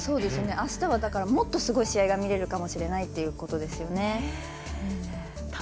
あしたはもっとすごい試合が見られるかもしれないってことですよね。